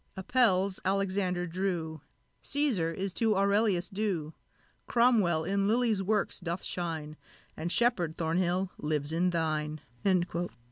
Apelles Alexander drew Cæsar is to Aurelius due; Cromwell in Lilly's works doth shine, And Sheppard, Thornhill, lives in thine!"